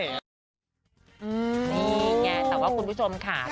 นี่ไงแต่ว่าคุณผู้ชมค่ะ